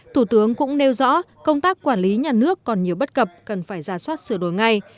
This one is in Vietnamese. thủ tướng cũng nêu rõ công tác quản lý nhà nước còn nhiều bất cập cần phải ra soát sửa đổi ngay